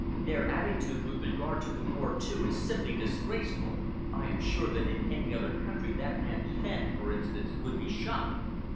Their attitude with regard to the war, too, is simply disgraceful. I am sure that in any other country that man Fenn, for instance, would be shot."